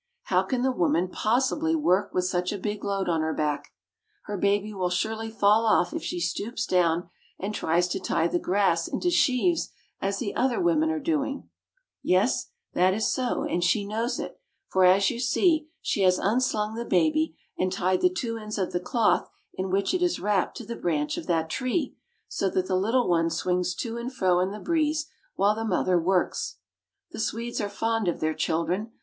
How can the woman possibly work with such a big load on her back ? Her baby will surely fall off if she stoops down and tries to tie the grass into sheaves as the other women are doing. Yes, that is Plowing in Sweden. 1 86 GERMANY. so, and she knows it ; for, as you see, she has unslung the baby, and tied the two ends of the cloth in which it is wrapped to the branch of that tree, so that the little one swings to and fro in the breeze while the mother works. The Swedes are fond of their children.